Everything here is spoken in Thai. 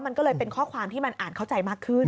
มันก็เลยเป็นข้อความที่มันอ่านเข้าใจมากขึ้น